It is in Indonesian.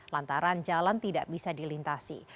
lantaran jalan tidak bisa dilintasi